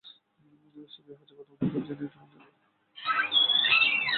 Sophia হচ্ছে প্রথম robot যে কোন দেশের নাগরিকত্ব লাভ করেছে।